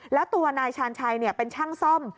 แล้วตัวนายชาญชัยเป็นช่างซ่อม